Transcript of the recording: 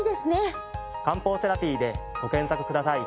「漢方セラピー」でご検索ください。